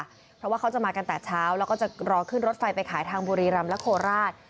เพราะว่าเขาจะมากันแต่เช้าแล้วก็จะรอขึ้นรถไฟไปขายทางบุรีรำและโคราช